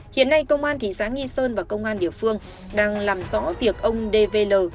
hiện nay công an thị xã nghi sơn và công an địa phương đang làm rõ việc ông dvl